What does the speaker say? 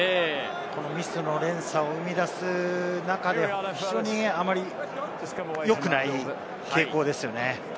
このミスの連鎖を生み出す中で、非常によくない傾向ですよね。